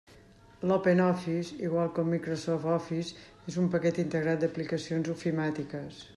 L'OpenOffice, igual que el Microsoft Office, és un paquet integrat d'aplicacions ofimàtiques.